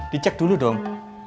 dicek dulu dong